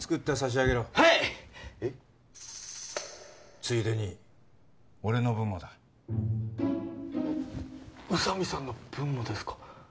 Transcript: ついでに俺の分もだ宇佐美さんの分もですか？